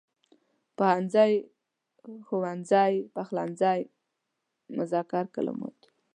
پوهنځی، ښوونځی، پخلنځی مذکر کلمات دي.